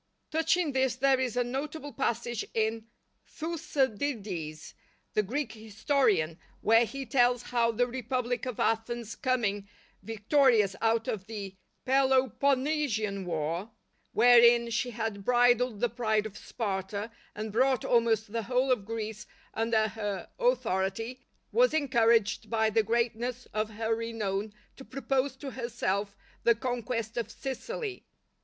Touching this there is a notable passage in Thucydides, the Greek historian, where he tells how the republic of Athens coming victorious out of the Peloponessian war, wherein she had bridled the pride of Sparta, and brought almost the whole of Greece under her authority, was encouraged by the greatness of her renown to propose to herself the conquest of Sicily.